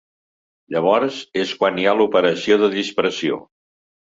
Llavors és quan hi ha l’operació de dispersió.